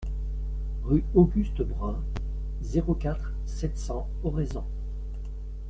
Rue Auguste Brun, zéro quatre, sept cents Oraison